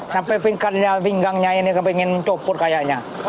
sampai pingganya ini pengen copur kayaknya